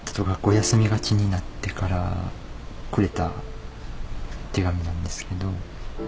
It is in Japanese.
休みがちになってからくれた手紙なんですけど。